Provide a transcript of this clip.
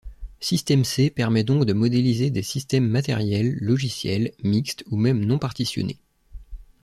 SystemC permet donc de modéliser des systèmes matériels, logiciels, mixtes ou même non-partitionnés.